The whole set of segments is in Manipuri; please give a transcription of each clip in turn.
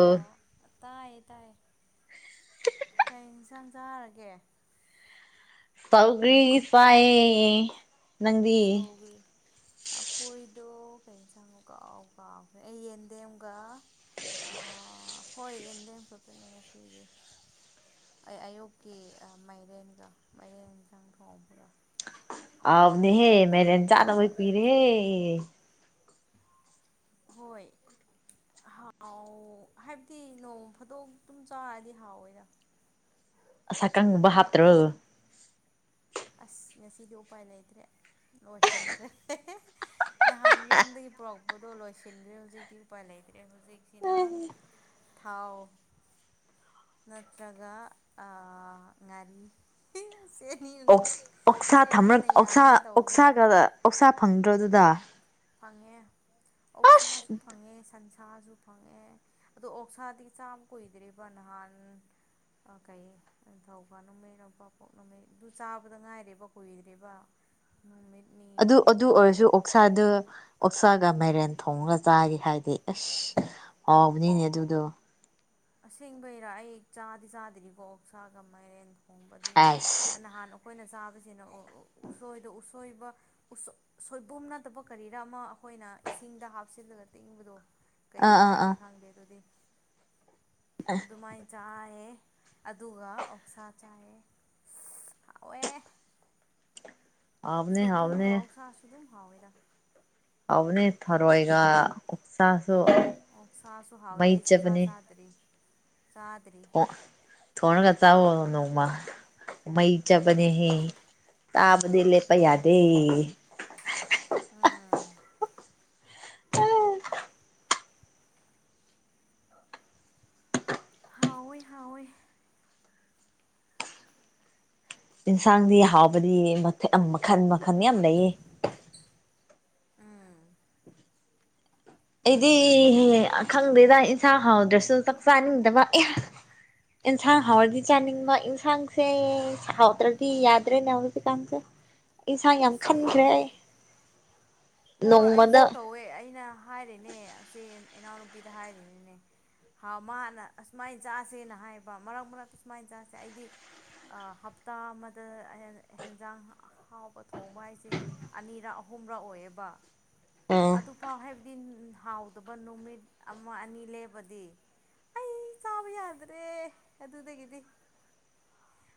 ꯍꯜꯂꯣ ꯑ ꯇꯥꯏ ꯇꯥꯏ [inaudible] ꯀꯩ ꯏꯟꯁꯥꯡ ꯆꯥꯔꯒꯦ ꯁꯧꯒ꯭ꯔꯤ ꯆꯥꯏꯌꯦ ꯅꯪꯗꯤ ꯁꯧꯒꯔꯤ ꯑꯩꯈꯣꯏꯗꯣ ꯀꯩ ꯌꯦꯟꯁꯥꯡꯅꯣ ꯀꯥꯎꯕꯨ ꯀꯥꯎꯈ꯭ꯔꯦ ꯑꯩ ꯌꯦꯟꯗꯦꯝꯒ ꯑꯥ ꯍꯣꯏ ꯌꯦꯟꯗꯦꯝ ꯈꯀꯇꯅꯤ ꯉꯁꯤꯗꯤ ꯑꯩ ꯑꯌꯨꯛꯀꯤ ꯃꯥꯏꯔꯦꯟꯒ ꯃꯥꯏꯔꯦꯟ ꯆꯪꯊꯣꯡ ꯕꯣꯔꯥ ꯑꯥꯎꯕꯅꯦꯍꯦ ꯃꯩꯔꯦꯟ ꯆꯥꯗꯕꯩ ꯀꯨꯏꯔꯦꯍꯦ ꯍꯣꯏ ꯍꯥ ꯍꯥꯎ ꯍꯥꯏꯕꯗꯤ ꯅꯣꯡ ꯐꯥꯗꯣꯛ ꯑꯗꯨꯝ ꯆꯥꯔꯗꯤ ꯍꯥꯎꯋꯦꯗ ꯑꯁꯛꯀꯪꯒꯨꯝꯕ ꯍꯥꯞꯇ꯭ꯔꯣ ꯑꯁ ꯉꯁꯤꯗꯤ ꯎꯄꯥꯏ ꯂꯩꯇ꯭ꯔꯦ ꯂꯣꯏꯁꯤꯟꯈ꯭ꯔꯦ ꯅꯍꯥꯟ ꯌꯨꯝꯗꯒꯤ ꯄꯨꯔꯛꯄꯗꯣ ꯂꯣꯏꯁꯤꯟꯈ꯭ꯔꯦ ꯍꯧꯖꯤꯛꯇꯤ ꯎꯄꯥꯏ ꯂꯩꯇ꯭ꯔꯦ ꯍꯧꯖꯤꯛꯁꯤꯅ ꯊꯥꯎ ꯅꯠꯇ꯭ꯔꯒ ꯑ ꯉꯔꯤ ꯁꯦꯅꯤ ꯑꯣꯛꯁ ꯑꯣꯛꯁꯥ ꯊꯝ ꯑꯣꯁꯥ ꯑꯣꯛꯁꯥꯒ ꯑꯣꯛꯁꯥ ꯐꯪꯗ꯭ꯔꯣꯗꯨꯗ ꯐꯪꯉꯦ ꯑꯣꯛꯁꯥꯁꯨ ꯐꯪꯉꯦ ꯁꯟꯁꯥꯁꯨ ꯐꯪꯉꯦ ꯑꯗꯣ ꯑꯣꯛꯁꯥꯗꯤ ꯆꯥꯝ ꯀꯨꯏꯗ꯭ꯦꯔꯤꯕ ꯅꯍꯥꯟ ꯀꯩ ꯅꯤꯡꯊꯧꯀ ꯅꯨꯃꯤꯠ ꯅꯪꯄꯥꯛꯄꯣꯛ ꯅꯨꯃꯤꯩ ꯑꯗꯨ ꯆꯥꯕꯗ ꯉꯥꯏꯔꯦꯕ ꯀꯨꯏꯗ꯭ꯔꯦꯕ ꯎꯣꯡꯃꯤꯠꯅꯤ ꯑꯗꯨ ꯑꯗꯨ ꯑꯣꯏꯔꯁꯨ ꯑꯣꯛꯁꯥꯗꯨ ꯑꯣꯛꯁꯥꯒ ꯃꯥꯏꯔꯦꯟ ꯊꯣꯡꯉꯒ ꯆꯥꯔꯤ ꯍꯥꯏꯗꯤ ꯑꯁ ꯍꯥꯎꯕꯅꯤꯅꯦ ꯑꯗꯨꯗꯣ ꯑꯁꯦꯡꯕꯩꯔꯥ ꯑꯩ ꯆꯥꯗꯤ ꯆꯥꯗ꯭ꯔꯤꯀꯣ ꯑꯣꯛꯁꯥꯒ ꯃꯥꯏꯔꯦꯟ ꯊꯣꯡꯕꯗꯤ ꯑꯥꯏꯁ ꯅꯍꯥꯟꯅ ꯑꯩꯈꯣꯏꯅ ꯆꯥꯕꯁꯤꯅ ꯎꯁꯣꯏꯗ ꯎꯁꯣꯏꯕ ꯁꯣꯏꯕꯨꯝ ꯅꯠꯇꯕ ꯀꯔꯤꯔ ꯑꯃ ꯑꯩꯈꯣꯏꯅ ꯏꯁꯤꯡꯗ ꯍꯥꯞꯆꯤꯜꯂꯒ ꯇꯤꯡꯕꯗꯣ ꯀꯔꯤ ꯑꯥ ꯑꯥ ꯍꯥꯏꯒꯦ ꯑꯥ ꯈꯪꯗꯦ ꯑꯗꯨꯗꯤ ꯑꯗꯨꯃꯥꯏꯅ ꯆꯥꯏꯑꯦ ꯑꯗꯨꯒ ꯑꯣꯛꯁꯥ ꯆꯥꯏꯑꯦ ꯍꯥꯎꯑꯦ꯫ ꯍꯥꯎꯕꯅꯦ ꯍꯥꯎꯕꯅꯦ ꯁꯣꯏꯕꯨꯝꯒ ꯑꯧꯁꯥꯁꯨ ꯑꯗꯨꯝ ꯍꯥꯎꯋꯦꯗ ꯑꯗꯨꯅꯦ ꯊꯔꯣꯏꯒ ꯎꯛꯆꯥꯁꯨ꯫ ꯑꯣ ꯁꯥꯁꯨ ꯍꯥꯎꯋꯦ ꯑꯩꯁꯨ ꯆꯥ ꯆꯥꯗ꯭ꯔꯤ ꯆꯥꯗ꯭ꯔꯤ꯫ ꯊꯅꯒ ꯆꯥ ꯑꯣꯏꯅꯣꯡꯃ ꯃꯩ ꯆꯄꯅꯦꯍ ꯆꯕꯗꯤ ꯂꯄ ꯌꯥꯗꯦ꯫ ꯑꯥ ꯍꯥꯎꯋꯦ ꯍꯥꯎꯋꯦ꯫ ꯌꯦꯟꯁꯥꯡꯗꯤ ꯍꯥꯎꯕꯗꯤ ꯌꯥꯝ ꯃꯈꯟ ꯃꯈꯟ ꯌꯥꯝ ꯂꯩꯌꯦ꯫ ꯎꯝ ꯑꯩꯗꯤ ꯈꯪꯗꯦꯗ ꯏꯟꯁꯥꯡ ꯍꯥꯎꯗ꯭ꯔꯁꯨ ꯆꯥꯛ ꯆꯥꯅꯤꯡꯗꯕ꯫ ꯌꯦꯟꯁꯥꯡ ꯍꯥꯎꯔꯗꯤ ꯆꯥꯅꯤꯡꯕ ꯌꯦꯟꯁꯥꯡꯁꯦ ꯍꯥꯎꯗ꯭ꯔꯗꯤ ꯌꯥꯗ꯭ꯔꯦꯅꯦ ꯍꯧꯔꯗꯤꯀꯥꯟꯁꯦ꯫ ꯑꯁꯦꯕꯒꯦ꯫ ꯍꯣꯏ ꯅꯣꯡꯃꯗ ꯑꯩꯁꯨ ꯇꯧꯋꯦ ꯑꯩꯅ ꯍꯥꯏꯔꯤꯅꯦ ꯑꯁꯤ ꯏꯅꯥꯎꯅꯨꯄꯤꯗ ꯍꯥꯏꯔꯤꯅꯤꯅꯦ꯫ ꯍꯥꯎ ꯃꯥꯅ ꯑꯁꯨꯃꯥꯏꯅ ꯆꯥꯁꯦꯅ ꯍꯥꯏꯕ ꯃꯔꯛ ꯃꯔꯛꯇ ꯑꯨꯃꯥꯏꯅ ꯆꯥꯁꯦ ꯑꯩꯗꯤ꯫ ꯍꯞꯇꯥ ꯑꯃꯗ ꯑꯦꯟꯖꯥꯡ ꯍꯥꯎꯕ ꯊꯣꯡꯕ ꯍꯥꯏꯁꯦ ꯑꯅꯤꯔꯛ ꯑꯍꯨꯝꯔ ꯑꯣꯏꯌꯦꯕ꯫ ꯎꯝ ꯑꯗꯨꯐꯥꯎ ꯍꯥꯏꯕꯗꯤ ꯍꯥꯎꯗꯕ ꯅꯨꯃꯤꯠ ꯑꯃ ꯑꯅꯤ ꯂꯦꯕꯗꯤ꯫ ꯑꯩ ꯆꯥꯕ ꯌꯥꯗ꯭ꯔꯦ ꯑꯗꯨꯗꯒꯤꯗꯤ꯫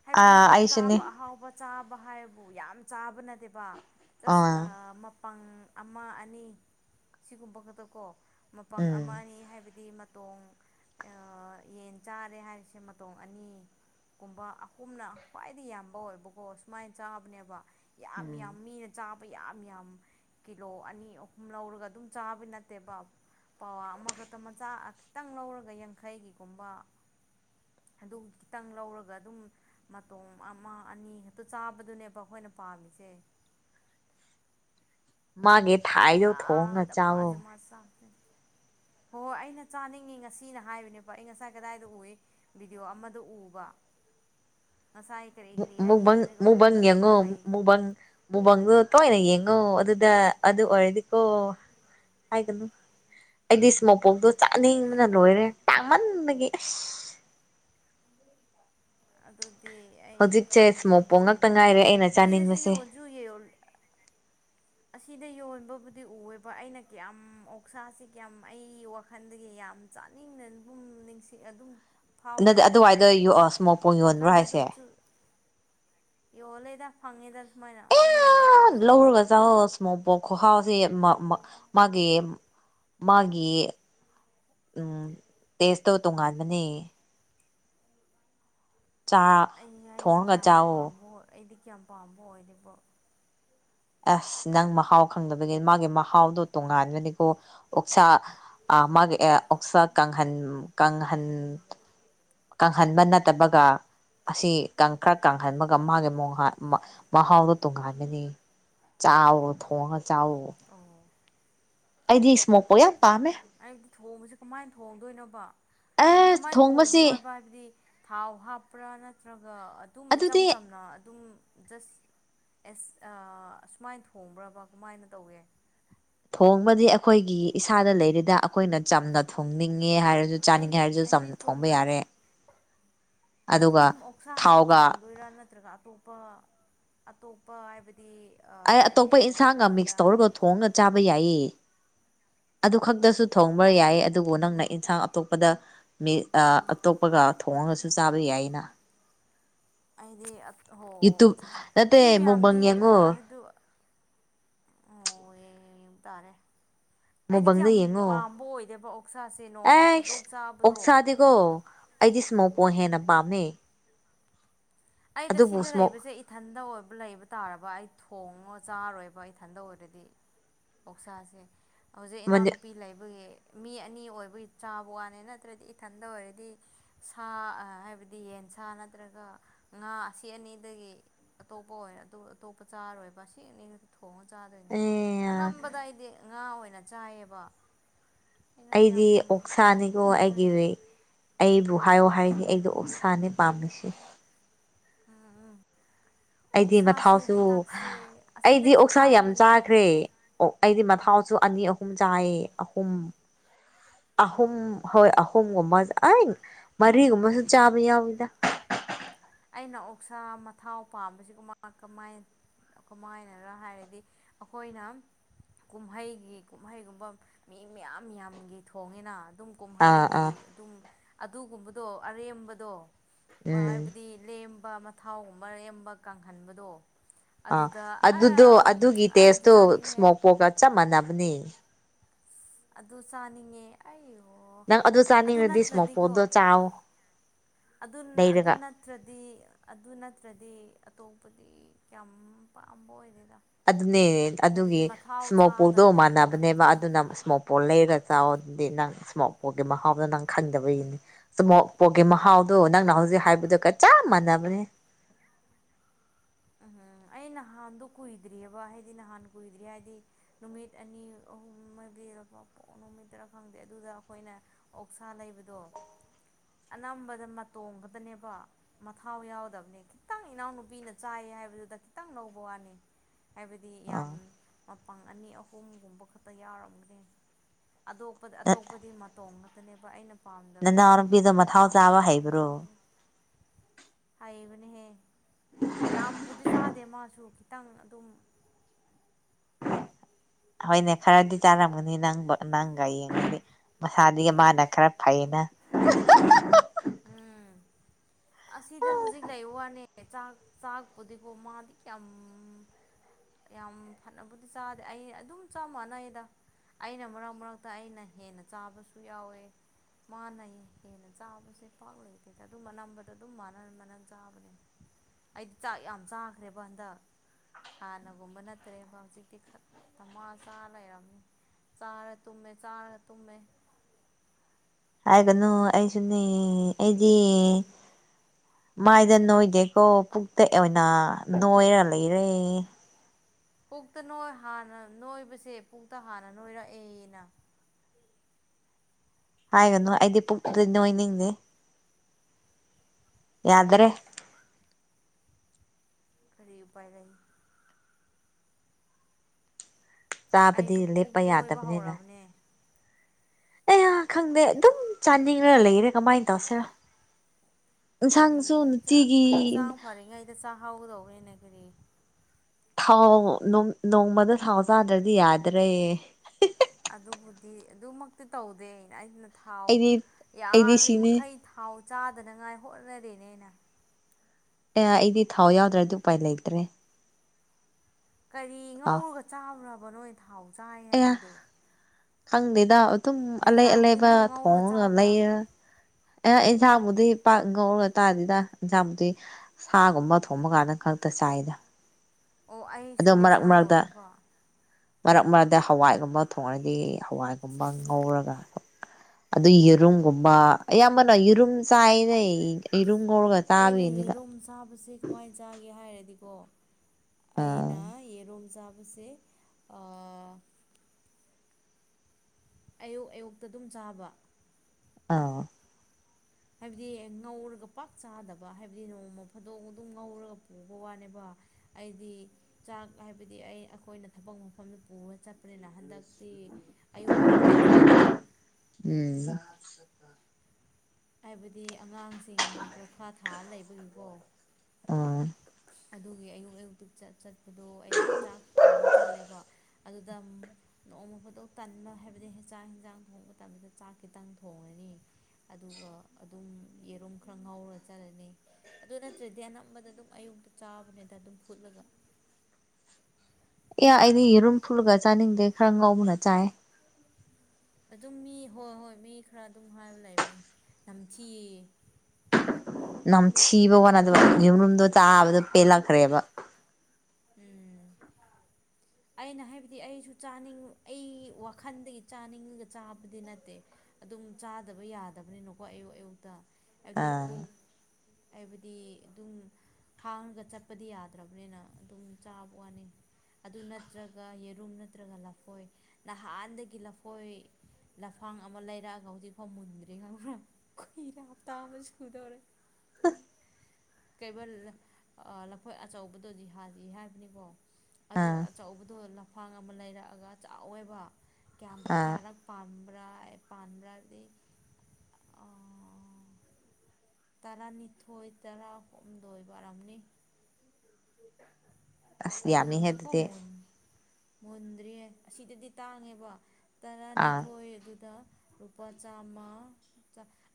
ꯍꯥꯏꯕꯗꯤ ꯑꯥ ꯑꯩꯁꯨꯅꯦ ꯆꯥꯕ ꯑꯍꯥꯎꯕ ꯆꯥꯕ ꯍꯥꯏꯕꯕꯨ ꯌꯥꯝ ꯆꯥꯕ ꯅꯠꯇꯦꯕ꯫ ꯆꯁ ꯑꯥ ꯃꯄꯥꯡ ꯑꯃ ꯑꯅꯤ ꯁꯤꯒꯨꯝꯕ ꯈꯛꯇ ꯀꯣ ꯃꯄꯪ ꯎꯝ ꯑꯃ ꯑꯅꯤ ꯍꯥꯏꯕꯗꯤ ꯃꯇꯣꯡ ꯌꯦꯟ ꯆꯥꯔꯦ ꯍꯥꯏꯔꯤꯁꯦ ꯃꯇꯣꯡ ꯑꯅꯤ꯫ ꯒꯨꯝꯕ ꯑꯍꯨꯝꯅ ꯈ꯭ꯋꯥꯏꯗꯒꯤ ꯌꯥꯝꯕ ꯑꯣꯏꯕꯀꯣ ꯁꯨꯃꯥꯏꯅ ꯆꯥꯕꯅꯦꯕ꯫ ꯌꯥꯝ ꯎꯝ ꯌꯥꯝ ꯃꯤꯅ ꯆꯥꯕ ꯌꯥꯝ ꯌꯥꯝ ꯀꯤꯂꯣ ꯑꯅꯤ ꯑꯍꯨꯝ ꯂꯧꯔꯒ ꯑꯗꯨꯝ ꯆꯥꯕ ꯅꯠꯇꯦꯕ꯫ ꯄꯋꯥ ꯑꯃꯈꯛꯇ ꯃꯆꯥ ꯈꯤꯇꯪ ꯂꯧꯔꯒ ꯌꯥꯡꯈꯩꯒꯤꯒꯨꯝꯕ꯫ ꯑꯗꯨ ꯈꯤꯇꯪ ꯂꯧꯔꯒ ꯑꯗꯨꯝ ꯃꯇꯣꯝ ꯑꯃ ꯑꯅꯤ ꯈꯛꯇ ꯆꯥꯕꯗꯨꯅꯦꯕ ꯑꯩꯈꯣꯏꯅ ꯄꯥꯝꯃꯤꯁꯦ꯫ ꯃꯥꯒꯤ ꯊꯥꯏꯗꯣ ꯄꯨꯔꯥ ꯊꯣꯡꯉ ꯗꯥꯃ‌‌ ꯆꯥꯋꯣ ꯏꯃꯥ ꯌꯥꯈꯔꯦ꯫ ꯍꯣꯏ ꯍꯣꯏ ꯑꯩꯅ ꯆꯥꯅꯤꯡꯉꯤ ꯉꯁꯤꯅ ꯍꯥꯏꯕꯅꯦꯕꯣ ꯑꯩ ꯉꯁꯥꯏ ꯀꯗꯥꯏꯗ ꯎꯏ꯫ ꯚꯕꯤꯗꯤꯑꯣ ꯑꯃꯗ ꯎꯕ ꯉꯁꯥꯏ꯫ ꯀꯔꯤ ꯀꯔꯤꯔ ꯃꯕꯟ ꯌꯦꯡꯉꯒ ꯐꯣꯟ ꯃꯨꯕꯟ ꯌꯦꯡꯉꯣ ꯌꯦꯡꯉꯒ ꯂꯩ ꯃꯨꯕꯟ ꯃꯨꯕꯪꯗꯣ ꯇꯣꯏꯅ ꯌꯦꯡꯉꯣ ꯑꯗꯨꯗ ꯑꯗꯨ ꯑꯣꯏꯔꯗꯤꯀꯣ ꯍꯥꯏꯒꯅꯨ ꯑꯩꯗꯤ ꯏꯁ ꯃꯄꯣꯛꯇꯣ ꯆꯥꯅꯤꯡꯕꯅ ꯂꯣꯏꯔꯦ ꯇꯥꯡꯃꯟꯕꯗꯒꯤ꯫ ꯑꯗꯨꯗꯤ ꯑꯩ ꯍꯧꯖꯤꯛꯁꯦ ꯈꯪꯗꯦ ꯏꯁꯃꯣꯛ ꯄꯣꯛ ꯑꯗꯨꯗꯤ ꯉꯛꯇ ꯉꯥꯏꯔꯦ ꯑꯩꯅ ꯑꯁꯤꯗꯁꯨ ꯆꯥꯅꯤꯡꯕꯁꯦ ꯌꯣꯟꯁꯨ ꯑꯁꯤꯗ ꯌꯣꯟꯕꯕꯨꯗꯤ ꯎꯑꯦꯕ ꯑꯩꯅ ꯀꯌꯥꯝ ꯑꯣꯛꯁꯥꯁꯦ ꯀꯌꯥꯝ ꯑꯩ ꯋꯥꯈꯜꯗꯒꯤ ꯌꯥꯝ ꯆꯥꯅꯤꯡꯅ ꯅꯤꯡꯁꯤꯡ ꯑꯗꯨꯝ ꯅꯠꯇꯦ ꯐꯥꯎꯗꯕꯗꯣ ꯑꯗꯨꯋꯥꯏꯗ ꯌꯣ ꯏꯁꯃꯣꯛ ꯄꯣꯛ ꯌꯣꯟꯕ꯭ꯔꯣ ꯋꯥꯈꯟꯗ ꯑꯗꯨ ꯍꯥꯏꯁꯦ ꯆ ꯑꯦ ꯌꯣꯜꯂꯦꯗ ꯐꯪꯉꯦꯗ ꯁꯨꯃꯥꯏꯅ ꯑꯗꯨꯝ ꯌꯣꯜꯂꯦ꯫ ꯂꯍꯔꯒꯖꯥ ꯑꯣ ꯏꯁꯣꯄꯣꯛ ꯈꯍꯥꯎꯁꯦ ꯃꯥꯒꯤ ꯃꯥꯒꯤ꯫ ꯎꯝ ꯇꯦꯁꯇꯣ ꯇꯣꯉꯥꯟꯕꯅꯤ꯫ ꯆꯥ ꯑꯩ ꯑꯩ ꯊꯣꯡꯉꯒ ꯀꯌꯥꯝ ꯆꯥꯎꯋꯣ ꯄꯥꯝꯕ ꯑꯣꯏ ꯑꯩꯗꯤ ꯀꯌꯥꯝ ꯄꯥꯝꯕ ꯑꯣꯏ ꯑꯗꯨꯕꯣ ꯑꯁ ꯅꯪ ꯃꯍꯥꯎ ꯈꯪꯗꯕꯒꯤ ꯃꯥꯒꯤ ꯃꯍꯥꯎꯗꯣ ꯇꯣꯡꯉꯥꯟꯕꯅꯤꯀꯣ ꯑꯣꯛꯁꯥ ꯑ ꯃꯥꯒꯤ ꯑꯣꯛꯁꯥ ꯀꯥꯡꯍꯟ ꯀꯥꯡꯍꯟ ꯀꯪꯍꯟꯕ ꯅꯠꯇꯕꯒ ꯑꯁꯤ ꯈꯔ ꯀꯪꯍꯟꯕꯒ ꯃꯥꯒꯤ ꯃꯍꯥꯎꯗꯣ ꯇꯣꯡꯍꯟꯒꯅꯤ꯫ ꯆꯥꯎꯥ ꯊꯣꯡꯉ ꯆꯥ ꯑꯣ ꯑꯩꯗꯤ ꯏꯁꯃꯣꯄꯣ ꯌꯥꯝ ꯄꯥꯝꯃꯦ ꯍꯥꯏꯕꯗꯤ ꯊꯣꯡꯕꯕꯁꯤꯦ ꯀꯃꯥꯏꯅ ꯊꯣꯡꯗꯣꯏꯅꯣꯕ ꯍꯥꯏꯕꯗꯤ ꯑꯦ ꯀꯃꯥꯏꯅ ꯊꯣꯡꯕꯁꯤ ꯊꯣꯡꯕꯅꯣ ꯍꯥꯏꯕ ꯍꯥꯏꯕꯗꯤ ꯊꯥꯎ ꯍꯥꯞꯄ꯭ꯔꯥ ꯅꯠꯇ꯭ꯔꯒ ꯑꯗꯨꯝ ꯏꯆꯝ ꯑꯗꯨꯗꯤ ꯆꯝꯅ ꯑꯗꯨꯝ ꯖꯁ ꯑꯦꯁ ꯑꯁꯨꯃꯥꯏꯅ ꯊꯣꯡꯕ꯭ꯔꯕ ꯀꯃꯥꯏꯅ ꯇꯧꯋꯦ ꯊꯣꯡꯕꯗꯤ ꯑꯩꯈꯣꯏꯒꯤ ꯏꯁꯥꯗ ꯂꯩꯔꯤꯗ ꯑꯩꯈꯣꯏꯅ ꯆꯝꯅ ꯊꯣꯡꯅꯤꯡꯉꯦ ꯍꯥꯏꯔꯁꯨ ꯑꯩꯅ ꯆꯥꯅꯤꯡꯉꯦ ꯍꯥꯏꯔꯁꯨ ꯍꯥꯏꯕꯗꯤ ꯆꯝꯅ ꯐꯣꯡꯕ ꯆꯨꯝꯅ ꯌꯥꯔꯦ ꯑꯗꯨꯝ ꯑꯗꯨꯒ ꯑꯣꯛꯁꯥꯒꯗ ꯊꯥꯎꯒ ꯊꯣꯡꯗꯣꯏꯔꯥ ꯅꯠꯇ꯭ꯔꯒ ꯑꯇꯣꯞꯄ ꯑꯇꯣꯞꯄ ꯍꯥꯏꯕꯗꯤ ꯑꯩ ꯑꯇꯣꯞꯄ ꯂꯥꯏꯑꯦ ꯏꯟꯁꯥꯡꯒ ꯀꯔꯤꯔꯥ ꯃꯤꯛꯁ ꯇꯧꯔꯒ ꯊꯣꯡꯒ ꯆꯥꯕ ꯌꯥꯏꯌꯦ ꯑꯗꯨ ꯈꯛꯇꯁꯨ ꯑꯣ ꯊꯣꯡꯕ ꯌꯥꯏ ꯑꯗꯨꯕꯨ ꯅꯪꯅ ꯏꯟꯁꯥꯡ ꯑꯇꯣꯞꯄꯗ ꯃꯤ ꯑꯇꯣꯞꯄꯒ ꯊꯣꯡꯉꯒꯁꯨ ꯆꯥꯕ ꯌꯥꯏꯅ ꯑꯩꯗꯤ ꯍꯣ ꯑꯣ ꯌꯨꯇꯨꯞ ꯑꯠꯆꯥ ꯑꯠꯆꯥ ꯅꯠꯇꯦ ꯃꯤ ꯃꯌꯥꯝꯗꯤ ꯃꯨꯛꯕꯪ ꯌꯦꯡꯉꯣ ꯑꯗꯨ ꯑꯣ ꯇꯥꯔꯦ ꯑꯩꯗꯤ ꯃꯨꯛꯕꯪꯗ ꯀꯌꯥꯝ ꯌꯦꯡꯉꯣ ꯄꯥꯝꯕ ꯑꯣꯏꯗꯦꯕ ꯑꯣꯛꯁꯥꯁꯦ ꯅꯣꯡꯃ ꯐꯗꯣꯛ ꯆꯥꯕꯗꯣ ꯀꯣ ꯑꯩꯗꯤ ꯁ ꯃꯧꯄꯨ ꯍꯦꯟꯅ ꯄꯥꯝꯃꯦ ꯑꯩꯗ ꯑꯗꯨꯕꯨ ꯁꯤꯗ ꯏꯁꯃꯣꯛ ꯂꯩꯕꯁꯦ ꯏꯊꯟꯗ ꯑꯣꯏꯕ ꯂꯩꯕ ꯇꯥꯔꯕ ꯑꯩ ꯊꯣꯡꯉꯒ ꯆꯥꯔꯣꯏꯕ ꯑꯩ ꯊꯟꯗ ꯑꯣꯏꯔꯗꯤ ꯑꯣꯛꯁꯥꯁꯦ ꯍꯧꯖꯤꯛ ꯏꯅꯥꯎꯅꯨꯄꯤ ꯂꯩꯕꯒꯤ ꯃꯤ ꯑꯅꯤ ꯑꯣꯏꯕꯒꯤ ꯆꯥꯕ ꯋꯥꯅꯦ ꯅꯠꯇ꯭ꯔꯗꯤ ꯏꯊꯟꯇ ꯑꯣꯏꯔꯗꯤ ꯁꯥ ꯍꯥꯏꯕꯗꯤ ꯌꯦꯟ ꯁꯥ ꯅꯠꯇ꯭ꯔꯒ ꯉꯥ ꯑꯁꯤ ꯑꯅꯤꯗꯒꯤ ꯑꯇꯣꯞꯄ ꯑꯣꯏꯔ ꯑꯇꯣꯞꯄ ꯆꯥꯔꯣꯏꯕ ꯑꯁꯤ ꯑꯅꯤ ꯊꯣꯡꯉ ꯆꯥꯗꯣꯏꯅꯤ ꯑꯅꯝꯕꯗ ꯑꯩꯗꯤ ꯉꯥ ꯑꯣꯏꯅ ꯆꯥꯏꯌꯦꯕ ꯑꯩꯅ ꯑꯩꯗꯤ ꯀꯌꯥꯝ ꯑꯣꯛꯁꯥꯅꯤꯀꯣ ꯌꯦꯟꯒꯨꯝꯕ ꯑꯩꯒꯤ ꯑꯩꯕꯨ ꯍꯥꯏꯌꯣ ꯍꯥꯏꯅꯤ ꯑꯩꯗꯣ ꯑꯣꯞꯁꯥꯅꯦ ꯄꯥꯝꯃꯤꯁꯤꯦ ꯎꯝ ꯎꯝ ꯑꯩꯗꯤ ꯑꯣꯛꯁꯥꯁꯦ ꯃꯊꯥꯎꯁꯨ ꯍꯟꯗꯛꯁꯦ ꯑꯩꯗꯤ ꯑꯁꯤꯗꯗꯤ ꯑꯣꯛꯁꯥ ꯌꯥꯝ ꯇꯥꯡꯕꯅꯦ ꯆꯥꯈ꯭ꯔꯦ ꯑꯣ ꯑꯩꯗꯤ ꯃꯊꯥꯎꯁꯨ ꯑꯅꯤ ꯑꯍꯨꯝ ꯆꯥꯏꯌꯦ ꯑꯍꯨꯝ ꯑꯍꯨꯝ ꯍꯣꯏ ꯑꯍꯨꯝꯒꯨꯝꯕ ꯑ ꯃꯔꯤꯒꯨꯝꯕꯁꯨ ꯆꯥꯕ ꯌꯥꯎꯋꯤꯗ ꯑꯩꯅ ꯑꯣꯛꯁꯥ ꯃꯊꯥꯎ ꯄꯥꯝꯕꯁꯤꯒꯨꯝꯕ ꯀꯃꯥꯏ ꯑꯩꯈ ꯃꯥꯏꯅꯔ ꯍꯥꯏꯔꯗꯤ ꯑꯩꯈꯣꯏꯅ ꯀꯨꯝꯍꯩꯒꯤ ꯀꯨꯝꯍꯩꯒꯨꯝꯕ ꯃꯤ ꯃꯌꯥꯝ ꯌꯥꯝꯒꯤ ꯊꯣꯡꯉꯤꯅ ꯑꯗꯨꯝ ꯑꯥ ꯀꯨꯝꯍꯩꯒꯤ ꯑꯥ ꯑꯗꯨꯝ ꯑꯗꯨꯒꯨꯝꯕꯗꯣ ꯑꯔꯦꯝꯕꯗꯣ ꯎꯝ ꯍꯥꯏꯕꯗꯤ ꯂꯦꯝꯕ ꯃꯊꯥꯎꯒꯨꯝꯕ ꯂꯦꯝꯕ ꯀꯥꯡꯪꯍꯟꯕꯗꯣ ꯑꯥ ꯑꯗꯨꯗꯣ ꯑꯗꯨꯒꯤ ꯑꯗꯨ ꯇꯦꯁꯇꯨ ꯆꯥꯅꯤꯡꯉꯦ ꯏꯁꯃꯣꯛ ꯄꯣꯛꯒ ꯆꯞ ꯃꯥꯟꯅꯕꯅꯤ ꯑꯗꯨ ꯆꯥꯅꯤꯡꯉꯦ ꯑꯩ ꯑꯣꯣ ꯅꯪ ꯑꯗꯨ ꯆꯥꯅꯤꯡꯉꯗꯤ ꯏꯁꯃꯣꯛ ꯅꯠꯇ꯭ꯔꯗꯤꯀꯣ ꯄꯣꯛꯗꯣ ꯆꯥꯎ ꯑꯗꯨ ꯂꯩꯔꯒ ꯑꯗꯨꯅ ꯅꯠꯇ꯭ꯔꯗꯤ ꯑꯗꯨ ꯅꯠꯇ꯭ꯔꯗꯤ ꯑꯇꯣꯞꯄꯗꯤ ꯀꯌꯥꯝ ꯄꯥꯝꯕ ꯑꯣꯏꯗꯦꯗ ꯑꯗꯨꯅꯦ ꯍꯥꯏꯕꯗꯤ ꯑꯗꯨꯒꯤ ꯃꯊꯥꯎ ꯏꯁꯃꯣꯛꯄꯣꯛꯗꯣ ꯆꯥꯗꯕꯅꯤꯅꯀꯣ ꯃꯥꯟꯅꯕꯅꯦꯕ ꯑꯗꯨꯅ ꯏꯁꯃꯣꯛ ꯄꯣꯛ ꯂꯩꯔꯒ ꯆꯥꯎ ꯑꯗꯨꯗꯤ ꯅꯪ ꯏꯁꯃꯣꯛ ꯄꯣꯛꯒꯤ ꯃꯍꯥꯎꯗꯣ ꯅꯪ ꯈꯪꯗꯕꯒꯤꯅꯤ ꯏꯁꯃꯣꯛ ꯏꯁꯄꯣꯛꯀꯤ ꯃꯍꯥꯎꯗꯣ ꯅꯪꯅ ꯍꯧꯖꯤꯛ ꯍꯥꯏꯕꯗꯨꯒ ꯆꯞ ꯃꯥꯟꯅꯕꯅꯦ꯫ ꯎꯝ ꯑꯩ ꯅꯍꯥꯟꯗꯣ ꯀꯨꯏꯗ꯭ꯔꯤꯑꯕ ꯍꯥꯏꯗꯤ ꯅꯍꯥꯟ ꯀꯨꯏꯗ꯭ꯔꯤ ꯍꯥꯏꯗꯤ ꯅꯨꯃꯤꯠ ꯑꯅꯤ ꯑꯍꯨꯝ ꯃꯔꯤ ꯅꯨꯃꯤꯠ ꯇꯔꯥ ꯈꯪꯗꯦ ꯑꯗꯨꯗ ꯑꯩꯈꯣꯏꯅ ꯑꯣꯛꯁꯥ ꯂꯩꯕꯗꯣ ꯑꯅꯝꯕꯗ ꯃꯇꯣꯡꯈꯛꯗꯅꯦꯕ ꯃꯊꯥꯎ ꯌꯥꯎꯗꯕꯅꯦ ꯈꯤꯇꯪ ꯏꯅꯥꯎꯅꯨꯄꯤꯅ ꯆꯥꯏ ꯍꯥꯏꯕꯗꯨꯗ ꯈꯤꯇꯪ ꯂꯧꯕ ꯋꯥꯅꯤ ꯍꯥꯏꯕꯗꯤ ꯌꯥꯝ ꯑꯥ ꯃꯄꯪ ꯑꯅꯤ ꯑꯍꯨꯝꯒꯨꯝꯕ ꯈꯛꯇ ꯌꯥꯎꯔꯝꯒꯅꯤ ꯑꯇꯣꯞꯄ ꯑꯇꯣꯞꯄꯗꯤ ꯃꯇꯣꯡ ꯉꯛꯇꯅꯦꯕ ꯑꯩꯅ ꯅꯅꯥꯎ ꯄꯥꯝꯗꯕꯅꯤꯅ ꯅꯨꯄꯤꯗꯣ ꯃꯊꯥꯎ ꯃꯥꯁꯨ ꯆꯥꯕ ꯀꯌꯥꯝ ꯍꯩꯕ꯭ꯔꯣ ꯄꯥꯝꯃꯤ ꯍꯩꯕꯅꯤꯍꯦ ꯎꯝ ꯌꯥꯝꯕꯨꯗꯤ ꯆꯥꯗꯦ ꯃꯥꯁꯨ ꯈꯤꯇꯪ ꯑꯗꯨꯝ ꯍꯣꯏꯅꯦ ꯈꯔꯗꯤ ꯇꯥꯔꯝꯒꯅꯤ ꯅꯪꯕ ꯅꯪꯒ ꯌꯦꯡꯉꯗꯤ꯫ ꯃꯁꯥꯗꯤ ꯃꯥꯅ ꯈꯔ ꯐꯩꯅ꯫ ꯎꯝ ꯑꯁꯤꯗ ꯍꯧꯖꯤꯛ ꯂꯩ ꯋꯥꯅꯦ ꯆꯥꯛ ꯆꯥꯛꯄꯨꯗꯤꯀꯣ ꯃꯥꯗꯤ ꯌꯥꯝ ꯌꯥꯝ ꯐꯅꯕꯨꯗꯤ ꯆꯥꯗꯦ ꯑꯩ ꯑꯗꯨꯝ ꯆꯞ ꯃꯥꯟꯅꯩꯗ꯫ ꯑꯩꯅ ꯃꯔꯛ ꯃꯔꯛꯇ ꯑꯩꯅ ꯍꯦꯟꯅ ꯆꯥꯕꯁꯨ ꯌꯥꯎꯋꯦ꯫ ꯃꯥꯅ ꯍꯦꯟꯅ ꯆꯥꯕꯁꯦ ꯅꯨꯄꯥ ꯑꯣꯏꯔꯗꯤ ꯑꯗꯨꯝ ꯃꯅꯝꯕꯗ ꯑꯗꯨꯝ ꯃꯅ ꯃꯅꯝ ꯆꯥꯕꯅꯦ꯫ ꯑꯩꯗꯤ ꯆꯥꯛ ꯌꯥꯝ ꯆꯥꯈ꯭ꯔꯦꯕ ꯍꯟꯗꯛ꯫ ꯍꯥꯟꯅꯒꯨꯝꯕ ꯅꯠꯇ꯭ꯔꯦꯕ ꯍꯧꯖꯤꯛꯇꯤ ꯈꯛꯇ ꯃꯥ ꯆꯥꯥꯔ ꯂꯩꯔꯕꯝꯅꯤ꯫ ꯆꯥꯔ ꯇꯨꯝꯃꯦ ꯆꯥꯔ ꯇꯨꯝꯃꯦ꯫ ꯍꯥꯏꯒꯅꯨ ꯑꯩꯁꯨꯅꯦ ꯑꯩꯗꯤ ꯃꯥꯏꯗ ꯅꯣꯏꯗꯦꯀꯣ ꯄꯨꯛꯇ ꯑꯣꯏꯅ ꯅꯣꯏꯔ ꯂꯩꯔꯦ꯫ ꯄꯨꯛꯇ ꯅꯣꯏ ꯍꯥꯟꯅ ꯅꯣꯏꯕꯁꯦ ꯄꯨꯛꯇ ꯍꯥꯟꯅ ꯅꯣꯏꯔꯛꯑꯦꯅ ꯍꯥꯏꯒꯅꯨ ꯑꯩꯗꯤ ꯄꯨꯛꯇ ꯅꯣꯏꯅꯤꯡꯅꯦ꯫ ꯌꯥꯗ꯭ꯔꯦ ꯀꯔꯤ ꯎꯄꯥꯏ ꯂꯩ꯫ ꯆꯥꯕꯗꯤ ꯑꯩꯁꯨ ꯄꯨꯛ ꯂꯦꯞꯄ ꯅꯣꯏꯕ ꯍꯧꯔꯕꯅꯦ꯫ ꯑꯩꯌ ꯈꯪꯗꯦ ꯑꯗꯨꯝ ꯆꯥꯅꯤꯡꯉ ꯂꯩꯔꯦ ꯀꯃꯥꯏꯅ ꯇꯧꯁꯤꯔ꯫ ꯏꯟꯁꯥꯡꯁꯨ ꯅꯨꯡꯇꯤꯒꯤ ꯁꯤꯗ ꯆꯥꯍꯧꯒꯗꯧꯕꯅꯤꯅꯦ ꯀꯔꯤ ꯊꯥꯎ ꯅꯣꯡꯃꯗ ꯊꯥꯎ ꯆꯥꯗ꯭ꯔꯗꯤ ꯌꯥꯗ꯭ꯔꯦ꯫ ꯑꯗꯨꯕꯨꯗꯤ ꯑꯗꯨꯃꯛꯇꯤ ꯇꯧꯗꯦ ꯑꯩꯅ ꯊꯥꯎ ꯑꯩꯗꯤ ꯑꯩꯗꯤ ꯌꯥꯔꯤ ꯁꯤꯅꯤ ꯃꯈꯩ ꯊꯥꯎ ꯆꯥꯗꯅꯉꯥꯏ ꯍꯣꯠꯅꯔꯤꯅꯦ ꯑꯩꯅ꯫ ꯑꯦ ꯑꯩꯗꯤ ꯊꯥꯎ ꯌꯥꯎꯗ꯭ꯔꯗꯤ ꯎꯄꯥꯏ ꯂꯩꯇ꯭ꯔꯦ꯫ ꯀꯔꯤ ꯊꯥꯎ ꯉꯧꯔꯒ ꯆꯥꯕ꯭ꯔꯕ ꯅꯣꯏ ꯊꯥꯎ ꯆꯥꯏ ꯑꯦ ꯍꯥꯏꯗꯨꯗꯣ꯫ ꯈꯪꯗꯦꯗ ꯑꯗꯨꯝ ꯑꯂꯩ ꯍꯦꯟꯖꯥꯡ ꯑꯂꯩꯕ ꯈꯨꯗꯤꯡꯗꯣ ꯉꯧꯔ ꯊꯣꯡꯉꯒ ꯆꯥꯕ꯭ꯔꯥ ꯂꯩꯔ ꯑꯦ ꯏꯟꯖꯥꯡꯕꯨꯗꯤ ꯄꯥꯛ ꯉꯧꯔꯒ ꯆꯥꯗꯤꯗ ꯏꯟꯖꯥꯡꯕꯨꯗꯤ ꯁꯥꯒꯨꯝꯕ ꯊꯣꯡꯕ ꯀꯥꯟꯗ ꯈꯛꯇ ꯆꯥꯏꯗ꯫ ꯑꯣ ꯑꯗꯣ ꯑꯩꯁꯨꯅꯦ ꯃꯔꯛ ꯁꯨꯃꯥꯏ ꯃꯔꯛꯇ ꯑꯣꯏꯌꯦꯕ꯫ ꯃꯔꯛ ꯃꯔꯛꯇ ꯍꯋꯥꯏꯒꯨꯝꯕ ꯊꯣꯡꯉꯗꯤ ꯍꯋꯥꯏꯒꯨꯝꯕ ꯉꯧꯔꯒ ꯑꯗꯩꯩ ꯌꯦꯔꯨꯝꯒꯨꯝꯕ ꯑꯌꯥꯝꯕꯅ ꯌꯦꯔꯨꯝ ꯆꯥꯏꯅꯦ ꯌꯦꯔꯨꯝ ꯀꯧꯔꯒ ꯑꯩꯅ ꯌꯦꯔꯨꯝ ꯁꯥꯕꯕꯁꯦ ꯀꯃꯥꯏꯅ ꯆꯥꯒꯦ ꯍꯥꯏꯔꯗꯤꯀꯣ ꯑꯥ ꯑꯩꯅ ꯌꯦꯔꯨꯝ ꯆꯥꯕꯁꯦ ꯑꯥ ꯑꯌꯨꯛ ꯑꯌꯨꯛꯇ ꯑꯗꯨꯝ ꯆꯥꯕ꯫ ꯑꯥ꯫ ꯍꯥꯏꯕꯗꯤ ꯉꯧꯔꯒ ꯄꯥꯛ ꯆꯥꯗꯕ ꯍꯥꯏꯕꯗꯤ ꯅꯣꯡꯃ ꯐꯥꯗꯣꯛ ꯑꯗꯨꯝ ꯉꯧꯔꯒ ꯄꯨꯕ ꯋꯥꯅꯦꯕ꯫ ꯑꯩꯗꯤ ꯆꯥꯛ ꯍꯥꯏꯕꯗꯤ ꯑꯩ ꯑꯩꯈꯣꯏꯅ ꯊꯕꯛ ꯃꯐꯝꯗ ꯄꯨꯔꯒ ꯆꯠꯄ ꯕꯅꯤꯅ ꯍꯟꯗꯛꯇꯤ ꯑꯌꯨꯛ ꯑꯌꯨꯛꯇ ꯆꯠꯂꯦꯕ ꯎꯝ ꯍꯥꯏꯕꯗꯤ ꯑꯉꯥꯡꯁꯤꯡ ꯄꯔꯈꯥ ꯊꯥꯔ ꯂꯩꯕꯒꯤꯀꯣ ꯑꯥ ꯑꯗꯨꯒꯤ ꯑꯌꯨꯛ ꯑꯌꯨꯛꯇꯤ ꯆꯠꯄꯗꯣ ꯑꯩꯗꯤ ꯆꯥꯛ ꯄꯨ ꯆꯠꯂꯦꯕ ꯑꯗꯨꯗ ꯅꯣꯡꯃ ꯐꯇꯣꯛ ꯇꯟꯕ ꯍꯥꯏꯕꯗꯤ ꯍ ꯆꯥꯛ ꯌꯦꯟꯖꯥꯡ ꯊꯣꯡꯕ ꯃꯇꯝꯗ ꯆꯥꯛ ꯈꯤꯇꯪ ꯊꯣꯡꯉꯅꯤ ꯑꯗꯨꯒ ꯑꯗꯨꯝ ꯌꯦꯔꯨꯝ ꯈꯔ ꯉꯥꯎꯔ ꯆꯠꯂꯅꯤ ꯑꯗꯨ ꯅꯠꯇ꯭ꯔꯗꯤ ꯑꯅꯝꯕꯗ ꯑꯗꯨꯝ ꯑꯌꯨꯛꯇ ꯆꯥꯕꯅꯦꯗ ꯑꯗꯨꯝ ꯐꯨꯠꯂꯒ ꯑꯦ ꯑꯩꯅꯤ ꯌꯦꯔꯨꯝ ꯐꯨꯜꯂꯒ ꯆꯥꯅꯤꯡꯗꯦ ꯈꯔ ꯉꯥꯎꯧꯕꯅ ꯆꯥꯏ ꯑꯗꯨꯝ ꯃꯤ ꯍꯣꯏ ꯍꯣꯏ ꯃꯤ ꯈꯔ ꯑꯗꯨꯝ ꯍꯥꯏꯕ ꯂꯩꯕꯅꯦ ꯅꯝꯊꯤ ꯅꯝꯊꯤꯕ ꯍꯣꯠꯅꯗꯕ ꯌꯨꯝꯔꯨꯝꯗꯣ ꯇꯥꯕꯗꯣ ꯄꯦꯜꯂꯛꯈ꯭ꯔꯦꯕ ꯎꯝ ꯑꯩꯅ ꯍꯥꯏꯕꯗꯤ ꯑꯩꯁꯨ ꯆꯥꯅꯤꯡ ꯑꯩ ꯋꯥꯈꯜꯗꯒꯤ ꯆꯥꯅꯤꯡꯒ ꯆꯥꯕꯗꯤ ꯅꯠꯇꯦ ꯑꯗꯨꯝ ꯆꯥꯗꯕ ꯌꯥꯗꯕꯅꯤꯅꯀꯣ ꯑꯌꯨꯛ ꯑꯌꯨꯛꯇ ꯍꯥꯏꯕꯗꯤ ꯑꯥ ꯄꯨꯛ ꯍꯥꯏꯕꯗꯤ ꯑꯗꯨꯝ ꯍꯥꯡꯉꯒ ꯆꯠꯄꯗꯤ ꯌꯥꯗ꯭ꯔꯕꯅꯤꯅ ꯑꯗꯨꯝ ꯆꯥꯕ ꯋꯥꯅꯤ ꯑꯗꯨ ꯅꯠꯇ꯭ꯔꯒ ꯌꯦꯔꯨꯝ ꯅꯠꯇ꯭ꯔꯒ ꯂꯐꯣꯏ ꯅꯍꯥꯟꯗꯒꯤ ꯂꯐꯣꯏ ꯂꯐꯥꯡ ꯑꯃ ꯂꯩꯔꯛꯑꯒ ꯍꯧꯖꯤꯛꯐꯥꯎ ꯃꯨꯟꯗ꯭ꯔꯦ ꯈꯪꯕ꯭ꯔꯥ ꯀꯨꯔ ꯍꯞꯇꯥꯕ ꯁꯨꯗꯧꯔꯦ [unintelligible] ꯀꯩꯕꯜ ꯂꯐꯣꯏ ꯑꯆꯧꯕꯗꯗꯤ ꯍꯥꯔꯤ ꯍꯥꯏꯕꯅꯤꯀꯣ ꯑꯗꯨꯗ ꯑꯥ ꯑꯆꯧꯕꯗꯣ ꯂꯐꯥꯡ ꯑꯃ ꯂꯩꯔꯛꯑꯒ ꯆꯥꯎꯥꯛꯋꯦꯕ ꯑꯥ ꯀꯌꯥꯔꯛ ꯄꯥꯟꯔ ꯄꯥꯟꯔꯗꯤ ꯇꯔꯥꯅꯤꯊꯣꯏ ꯇꯔꯥꯍꯨꯝꯗꯣꯏ ꯕꯥꯔꯝꯅꯤ ꯑꯁ ꯑꯗꯨ ꯌꯥꯝꯃꯤꯍꯦ ꯍꯧꯖꯤꯛꯐꯥꯎ ꯑꯗꯨꯗꯤ ꯃꯨꯟ ꯃꯨꯗ꯭ꯔꯤꯌꯦ ꯑꯁꯤꯗꯗꯤ ꯇꯥꯡꯉꯦꯕ ꯑꯥ ꯇꯔꯥꯅꯤꯊꯣꯏ ꯑꯗꯨꯗ ꯔꯨꯄꯥꯄꯥ ꯆꯥꯝꯃ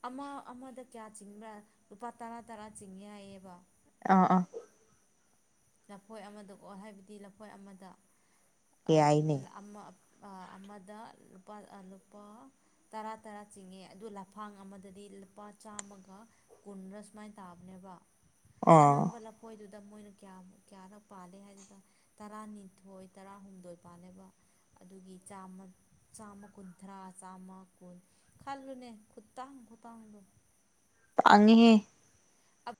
ꯑꯃ ꯑꯃꯗ ꯀꯌꯥ ꯆꯤꯡꯕ꯭ꯔꯥ ꯂꯨꯄꯥ ꯇꯔꯥ ꯇꯔꯥ ꯆꯤꯡ ꯌꯥꯏꯌꯦꯕ ꯑ ꯑ ꯂꯐꯣꯏ ꯑꯃꯗꯀꯣ ꯍꯥꯏꯕꯗꯤ ꯂꯐꯣꯏ ꯑꯃꯗ ꯌꯥꯏꯅꯦ ꯑꯃ ꯑꯃꯗ ꯂꯨꯄꯥ ꯂꯨꯄꯥ ꯇꯔꯥ ꯇꯔꯥ ꯆꯤꯡꯉꯦ ꯑꯗꯨ ꯂꯐꯥꯡ ꯑꯃꯗꯗꯤ ꯂꯨꯄꯥ ꯆꯥꯝꯃꯒ ꯀꯨꯟ꯭ꯔꯥ ꯁꯨꯃꯥꯏꯅ ꯇꯥꯕꯅꯦꯕ ꯑꯣ ꯑꯅꯝꯕ ꯂꯐꯣꯏꯗꯨꯗ ꯃꯣꯏꯅ ꯀꯌꯥꯃꯨ ꯀꯌꯥꯔꯛ ꯄꯥꯜꯜꯂꯤꯦ ꯍꯥꯏꯗꯨꯗ ꯇꯔꯥꯅꯤꯊꯣꯏ ꯇꯔꯥꯍꯨꯝꯗꯣꯏ ꯄꯥꯜꯂꯦꯕ ꯑꯗꯨꯒꯤ ꯆꯥꯃ ꯆꯥꯝꯃ ꯀꯨꯟꯊ꯭ꯔꯥ ꯆꯥꯝꯃ ꯀꯨꯟ ꯈꯜꯂꯨꯅꯦ ꯈꯨꯇꯥꯡ ꯈꯨꯇꯥꯡꯗꯣ ꯑ